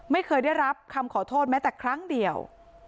ไม่เคยได้รับคำขอโทษแม้แต่ครั้งเดียว